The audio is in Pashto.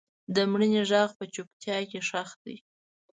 د مړینې غږ په چوپتیا کې ښخ دی.